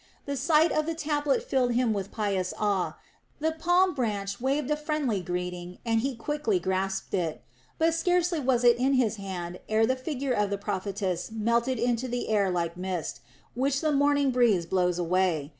The sight of the tablet filled him with pious awe, the palm branch waved a friendly greeting and he quickly grasped it. But scarcely was it in his hand ere the figure of the prophetess melted into the air like mist, which the morning breeze blows away.